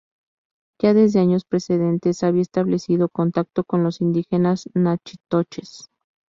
Ya desde años precedentes había establecido contacto con los indígenas Natchitoches.